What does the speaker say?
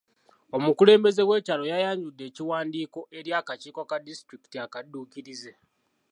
Omukulembeze w'ekyalo yayanjudde ekiwandiiko eri akakiiko ka disitulikiti akadduukirize.